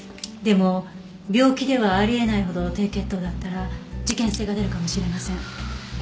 でも病気ではあり得ないほど低血糖だったら事件性が出るかもしれません。